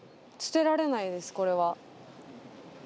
捨てられないですこれは。